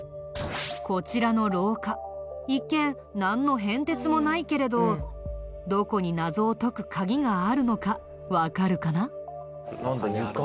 こちらの廊下一見なんの変哲もないけれどどこに謎を解く鍵があるのかわかるかな？